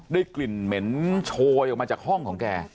กลิ่นเหม็นโชยออกมาจากห้องของแก